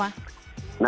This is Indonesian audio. nah ini masalahnya